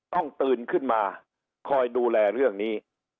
ตื่นขึ้นมาคอยดูแลเรื่องนี้